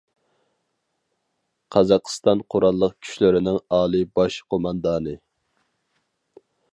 قازاقىستان قوراللىق كۈچلىرىنىڭ ئالىي باش قوماندانى.